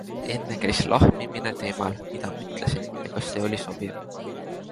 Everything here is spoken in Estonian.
Enne käis lahmimine teemal mida ma ütlesin ja kas see oli sobiv.